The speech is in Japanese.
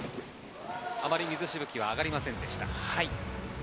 あまり水しぶきは上がりませんでした。